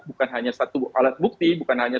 bukan hanya satu alat bukti bukan hanya